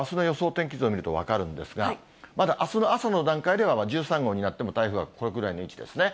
天気図を見ると分かるんですが、まだあすの朝の段階では１３号になっても、台風はここぐらいの位置ですね。